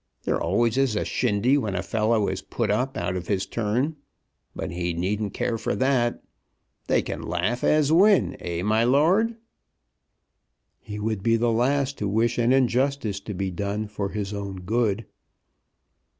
There always is a shindy when a fellow is put up out of his turn. But he needn't care for that. They can laugh as win. Eh, my lord!" "He would be the last to wish an injustice to be done for his own good."